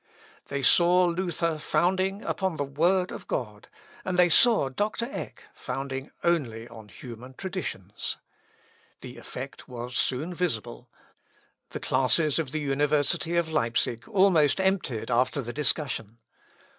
They saw Luther founding upon the word of God, and they saw Dr. Eck founding only on human traditions. The effect was soon visible. The classes of the university of Leipsic almost emptied after the discussion.